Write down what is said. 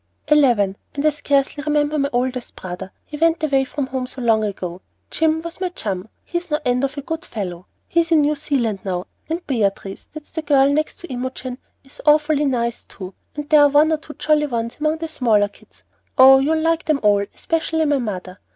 "Eleven, and I scarcely remember my oldest brother, he went away from home so long ago. Jim was my chum, he's no end of a good fellow. He's in New Zealand now. And Beatrice that's the next girl to Imogen is awfully nice too, and there are one or two jolly ones among the smaller kids. Oh, you'll like them all, especially my mother.